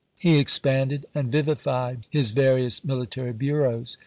He expanded and vivified his various military bureaus.